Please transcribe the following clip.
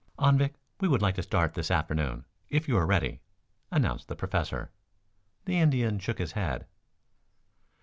"Anvik, we would like to start this afternoon, if you are ready," announced the Professor. The Indian shook his head.